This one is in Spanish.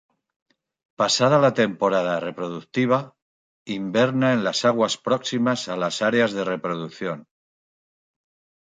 Pasada la temporada reproductiva, inverna en las aguas próximas a las áreas de reproducción.